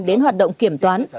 đến hoạt động kiểm toán